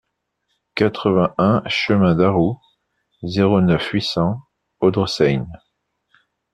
quatre-vingt-un chemin d'Arrout, zéro neuf, huit cents, Audressein